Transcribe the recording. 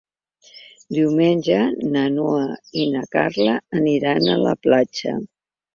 Diumenge na Noa i na Carla aniran a la platja.